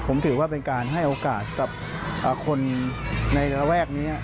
ผมถือว่าเป็นการให้โอกาสกับคนในระแวกนี้